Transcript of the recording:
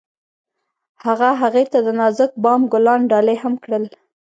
هغه هغې ته د نازک بام ګلان ډالۍ هم کړل.